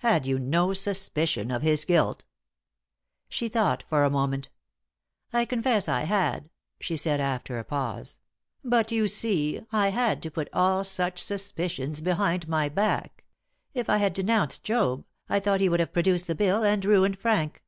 "Had you no suspicion of his guilt?" She thought for a moment. "I confess I had," she said, after a pause, "but, you see, I had to put all such suspicions behind my back. If I had denounced Job, I thought he would have produced the bill and ruined Frank."